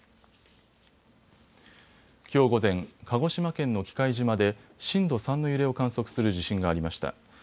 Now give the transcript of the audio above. きょう午前、鹿児島県の喜界島で震度３の揺れを観測する地震がありました。